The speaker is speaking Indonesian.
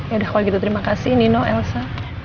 ya udah kalau gitu terima kasih nino elsa